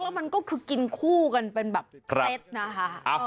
แล้วมันก็คือกินคู่กันเป็นแบบเคล็ดนะคะ